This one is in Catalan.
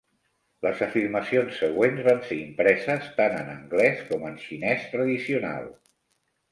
Les afirmacions següents van ser impreses tant en anglès com en xinès tradicional.